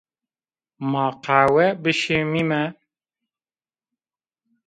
Ma qewe bişimîme